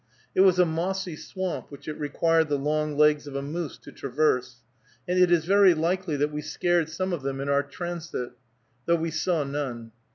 It was a mossy swamp, which it required the long legs of a moose to traverse, and it is very likely that we scared some of them in our transit, though we saw none.